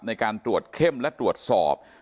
ในการตรวจเข้มและตรวจสอบ